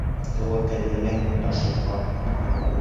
Тәүәккәлләгән таш йотҡан.